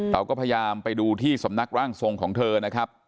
เราก็พยายามไปดูที่สำนักร่างทรงของเธอนะครับ